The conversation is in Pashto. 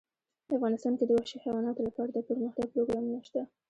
افغانستان کې د وحشي حیواناتو لپاره دپرمختیا پروګرامونه شته.